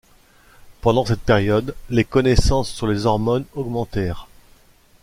Pendant cette période, les connaissances sur les hormones augmentèrent.